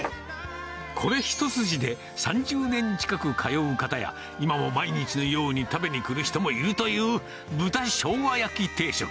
これ一筋で３０年近く通う方や、今も毎日のように食べに来る人もいるという、豚生姜焼定食。